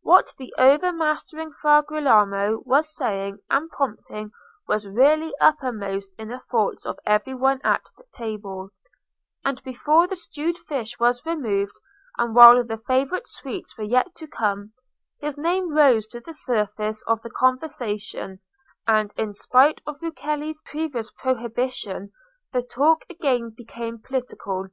What the overmastering Fra Girolamo was saying and prompting was really uppermost in the thoughts of every one at table; and before the stewed fish was removed, and while the favourite sweets were yet to come, his name rose to the surface of the conversation, and, in spite of Rucellai's previous prohibition, the talk again became political.